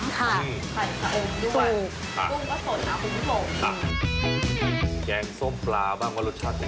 แกงซ่อมชะอมไข่มันจะต้องมีความแบบหอมไข่ชะอมด้วย